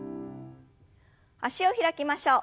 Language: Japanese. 脚を開きましょう。